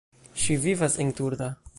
Ŝi vivas en Turda.